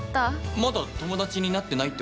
まだ友達になってないってこと？